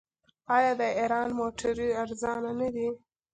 آیا د ایران موټرې ارزانه نه دي؟